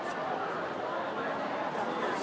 สวัสดีครับ